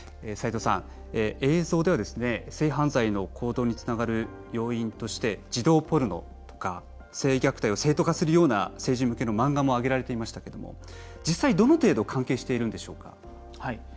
斉藤さん、映像では性犯罪の行動につながる要因として児童ポルノとか性虐待を正当化するような成人向けの漫画も挙げられていましたけど実際どの程度関係しているんでしょうか？